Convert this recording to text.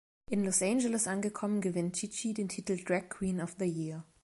In Los Angeles angekommen, gewinnt Chi-Chi den Titel "Drag Queen of the Year".